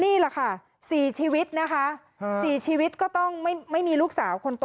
นี่แหละค่ะ๔ชีวิตนะคะ๔ชีวิตก็ต้องไม่มีลูกสาวคนโต